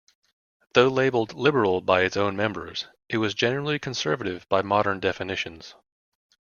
Though labeled "liberal" by its own members, it was generally conservative by modern definitions.